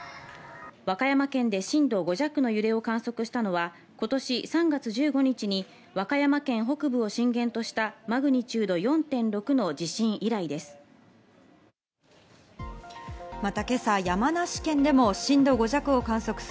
和歌山県で震度５弱の揺れを観測したのは今年３月１５日に和歌山県北部を震源としたマグニチュード４．６の地震以来です。